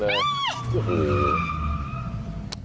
โอ้โห